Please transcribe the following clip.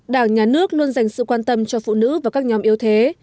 đảng nhà nước luôn dành sự quan tâm cho phụ nữ và các nhóm yếu thế